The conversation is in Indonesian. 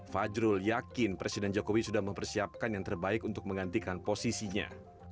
fajrul yakin presiden jokowi sudah mempersiapkan yang terbaik untuk menggantikan posisinya